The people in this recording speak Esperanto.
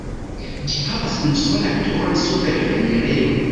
Ĝi havas unusolan turon super la enirejo.